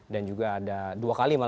dan juga ada dua kali malah